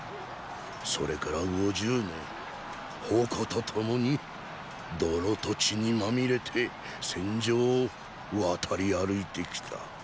それから五十年矛と共に泥と血にまみれて戦場を渡り歩いて来た。